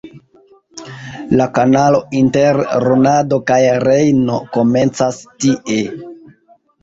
La kanalo inter Rodano kaj Rejno komencas tie.